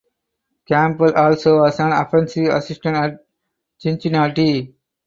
Gamble also was an offensive assistant at Cincinnati.